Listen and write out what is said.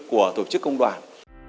của tổ chức công đoàn